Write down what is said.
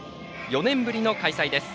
４年ぶりの開催です。